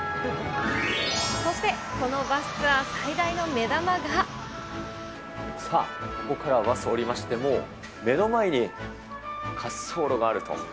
そして、このバスツアー最大さあ、ここからバス降りまして、もう、目の前に滑走路があると。